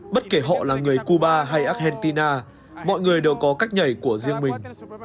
bất kể họ là người cuba hay argentina mọi người đều có cách nhảy của riêng mình